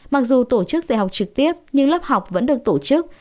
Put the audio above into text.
mặc dù tổ chức dạy học trực tiếp nhưng lớp học vẫn được tổ chức